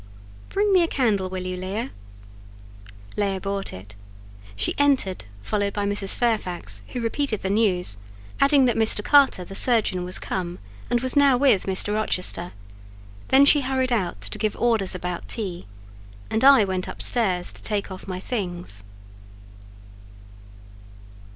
Bring me a candle will you Leah?" Leah brought it; she entered, followed by Mrs. Fairfax, who repeated the news; adding that Mr. Carter the surgeon was come, and was now with Mr. Rochester: then she hurried out to give orders about tea, and I went upstairs to take off my things.